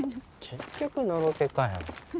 結局のろけかよ。